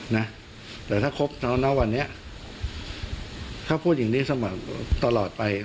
นะแต่ถ้าครบณวันนี้ถ้าพูดอย่างนี้เสมอตลอดไป